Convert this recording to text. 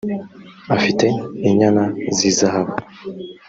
afite inyana z’ izahabu.